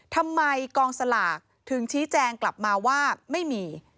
ทำไมกองสลากถึงชี้แจงกลับมาว่าไม่มี